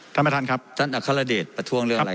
ท่านประธานครับท่านอัครเดชประท้วงเรื่องอะไร